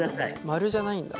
丸じゃないんだ。